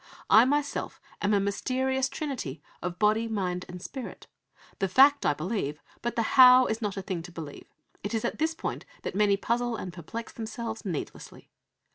I myself am a mysterious trinity of body, mind, and spirit. The fact I believe, but the how is not a thing to believe. It is at this point that many puzzle and perplex themselves needlessly.